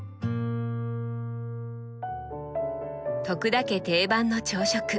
田家定番の朝食。